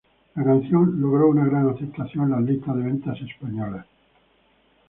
La canción logró una gran aceptación en las listas de ventas españolas.